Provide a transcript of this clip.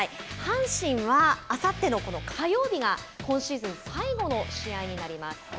阪神はあさっての火曜日が今シーズン最後の試合になります。